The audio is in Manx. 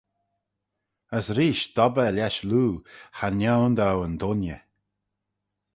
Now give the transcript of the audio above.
As reesht dob eh lesh loo, Cha nione dou yn dooinney.